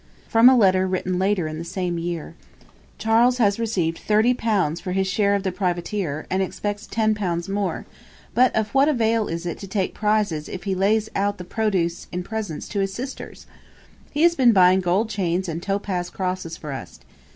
From a letter written later in the same year: 'Charles has received 30_l_. for his share of the privateer, and expects 10_l_. more; but of what avail is it to take prizes if he lays out the produce in presents to his sisters? He has been buying gold chains and topaze crosses for us.